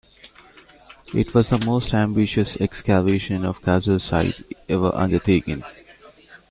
It was the most ambitious excavation of a Khazar site ever undertaken.